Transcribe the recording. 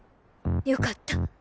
よかった。